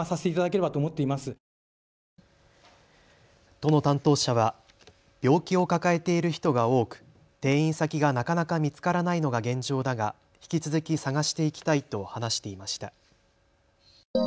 都の担当者は病気を抱えている人が多く転院先がなかなか見つからないのが現状だが引き続き探していきたいと話していました。